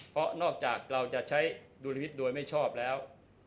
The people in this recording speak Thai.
เพราะนอกจากเราจะใช้ดุลวิทย์โดยไม่ชอบแล้ว